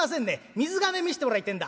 水瓶見してもらいてえんだ」。